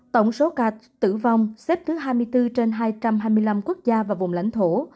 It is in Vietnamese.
tổng số ca tử vong xếp thứ hai mươi bốn trên hai trăm hai mươi năm quốc gia và vùng lãnh thổ